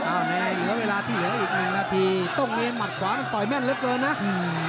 อ้าวไหนไงเหลือเวลาที่เหลืออีกหนึ่งนาทีต้องมีมัดขวานต่อยแม่นเร็บเกินนะอืม